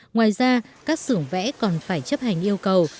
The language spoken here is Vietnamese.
ngoài ra các xưởng vẽ còn phải chấp hành yêu cầu